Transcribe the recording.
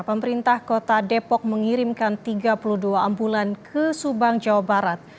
pemerintah kota depok mengirimkan tiga puluh dua ambulan ke subang jawa barat